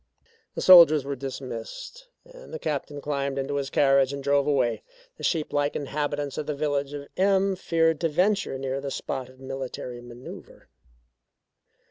The soldiers were dismissed, and the Captain climbed into his carriage and drove away. The sheep like inhabitants of the village of M feared to venture near the spot of military manoeuvre.